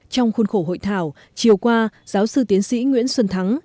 trong khuôn khổ hội thảo chiều qua giáo sư tiến sĩ nguyễn xuân thắng